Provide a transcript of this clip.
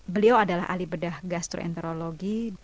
beliau adalah ahli bedah gastroenterologi